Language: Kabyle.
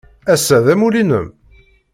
Ass-a, d amulli-nnem?